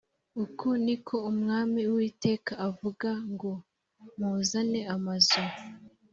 uku ni ko umwami uwiteka avuga ngo muzane amazu